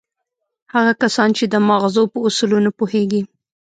هغه کسان چې د ماغزو په اصولو نه پوهېږي.